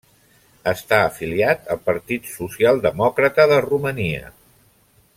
Està afiliat al Partit Socialdemòcrata de Romania.